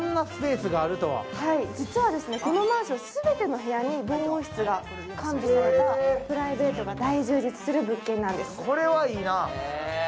実はこのマンション全ての部屋に防音室が完備されたプライベートが大充実する物件なんです。